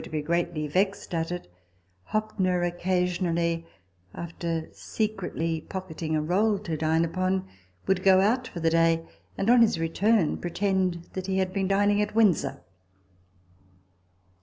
TABLE TALK OF SAMUEL ROGERS 163 he knew, would be greatly vexed at it, Hoppner occasionally, after secretly pocketing a roll to dine upon, would go out for the day, and on his return pretend that he had been dining at Windsor.